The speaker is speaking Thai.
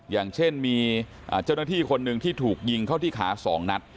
อย่างเช่นมีเจ้าหน้าที่คนหนึ่งที่ถูกยิงเข้าที่ขา๒นัด